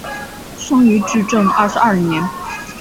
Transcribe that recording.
生于至正二十二年。